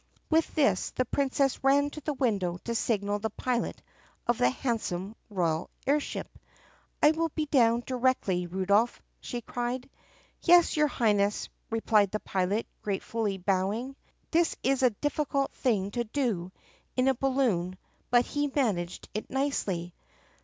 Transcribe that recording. With this the Princess ran to the window to signal the pilot of the handsome royal air ship. "I will be down directly, Rudolph!" she cried. "Yes, your Highness," replied the pilot, gracefully bowing. This is a difficult thing to do in a balloon but he managed it nicely.